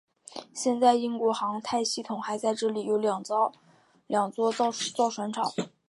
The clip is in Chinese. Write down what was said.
现在英国航太系统还在这里有两座造船厂。